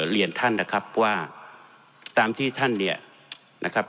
เรียนท่านนะครับว่าตามที่ท่านเนี่ยนะครับ